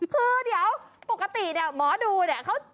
คือเดี๋ยวปกติเนี่ยหมอดูเนี่ย